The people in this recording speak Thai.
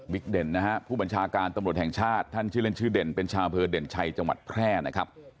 เด่นนะฮะผู้บัญชาการตำรวจแห่งชาติท่านชื่อเล่นชื่อเด่นเป็นชาวอำเภอเด่นชัยจังหวัดแพร่นะครับ